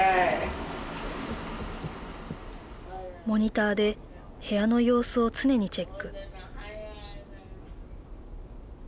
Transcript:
モニターで部屋の様子を常にチェック。